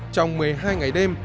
trong một mươi hai ngày đêm